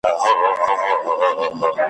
خدای خبر چي بیا به درسم پر ما مه ګوره فالونه ,